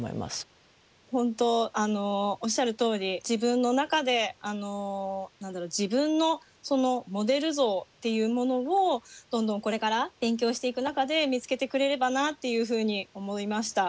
本当おっしゃるとおり自分の中で自分のモデル像っていうものをどんどんこれから勉強していく中で見つけてくれればなっていうふうに思いました。